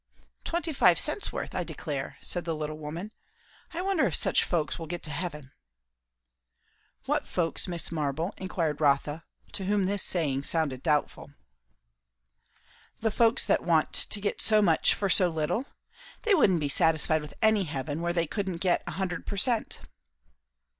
"Twenty five cents' worth: I declare!" said the little woman. "I wonder if such folks will get to heaven?" "What folks, Mrs. Marble?" enquired Rotha, to whom this saying sounded doubtful. "The folks that want to get so much for so little. They wouldn't be satisfied with any heaven where they couldn't get a hundred per cent."